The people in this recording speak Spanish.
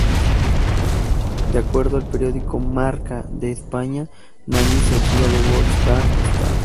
De acuerdo al periódico Marca, de España,"Nadie se fía de Wolfgang Stark".